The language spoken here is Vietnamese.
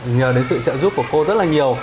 nhờ đến sự trợ giúp của cô rất là nhiều